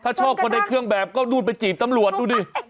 ถ้าชอบคนในเครื่องแบบก็นู่นไปจีบตำรวจดูดิ